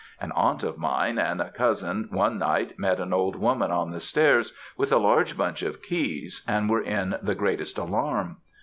An aunt of mine and a cousin, one night, met an old woman on the stairs with a large bunch of keys, and were in the greatest alarm.